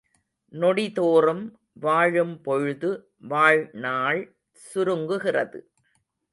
நொடி தோறும், வாழும் பொழுது வாழ்நாள் சுருங்குகிறது.